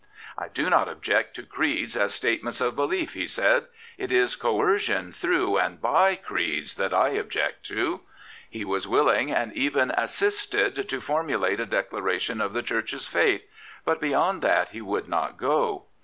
" I do not object to creeds as statements of belief," he said. " It is coercion through and by creeds that I object to." He was willing, and even assisted, to formulate a declaration of the Church's faith; but beyond that he would not go.